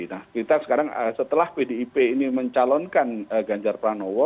nah kita sekarang setelah pdip ini mencalonkan ganjar pranowo